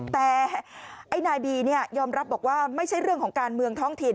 แต่ไอ้นายบียอมรับบอกว่าไม่ใช่เรื่องของการเมืองท้องถิ่น